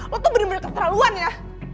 oh tuh bener bener keterlaluan ya